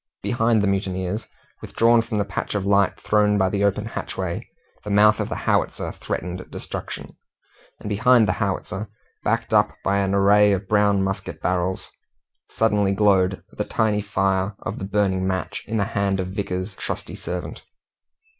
Behind the mutineers, withdrawn from the patch of light thrown by the open hatchway, the mouth of the howitzer threatened destruction; and behind the howitzer, backed up by an array of brown musket barrels, suddenly glowed the tiny fire of the burning match in the hand of Vickers's trusty servant.